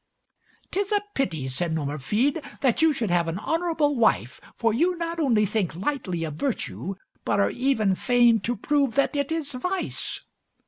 L. "Tis a pity," said Nomerfide, "that you should have an honourable wife, for you not only think lightly of virtue, but are even fain to prove that it is vice."